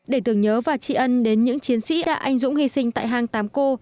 để tưởng nhớ và tri ân đến những chiến sĩ đã anh dũng hy sinh tại hang tám cô